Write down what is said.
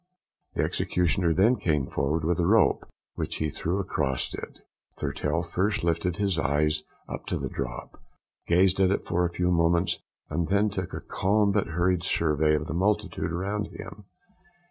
The executioner then came forward with the rope, which he threw across it. Thurtell first lifted his eyes up to the drop, gazed at it for a few moments, and then took a calm but hurried survey of the multitude around him.